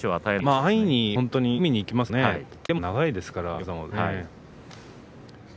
安易に組みにいきますと横綱は手も長いですから。